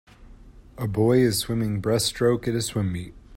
A boy is swimming breaststroke at a swim meet.